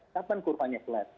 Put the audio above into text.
kapan kurvanya kelas